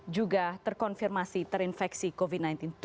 juga terkonfirmasi terinfeksi covid sembilan belas